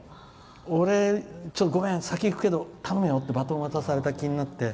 俺、ちょっとごめん先に行くけど頼むよってバトンを渡された気になって。